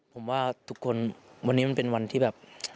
ผมว่าทุกคนวันนี้มันเป็นวันที่แบบ